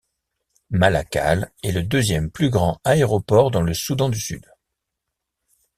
Malakal, est le deuxième plus grand aéroport dans le Soudan du Sud.